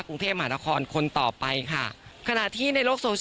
กรุงเทพหมาตะคอนคนต่อไปค่ะขณะที่ในโลก